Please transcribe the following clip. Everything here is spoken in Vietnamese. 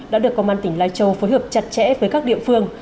đã được công an tỉnh lai châu phối hợp chặt chẽ với các địa phương